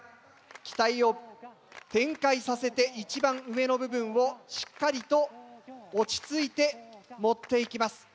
機体を展開させて一番上の部分をしっかりと落ち着いて持っていきます。